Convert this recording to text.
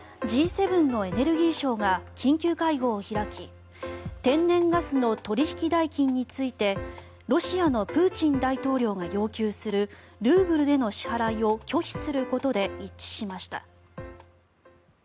Ｇ７のエネルギー相が緊急会合を開き天然ガスの取引代金についてロシアのプーチン大統領が要求するルーブルでの支払いを拒否することで一致しました。